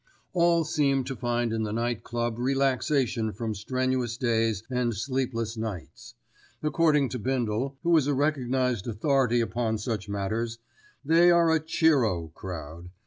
All seem to find in the Night Club relaxation from strenuous days and sleepless nights. According to Bindle, who is a recognised authority upon such matters, they are a cheer o! crowd.